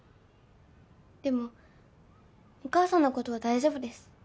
でもお母さんの事は大丈夫です。